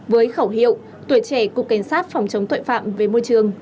với khẩu hiệu tuổi trẻ cục cảnh sát phòng chống tội phạm về môi trường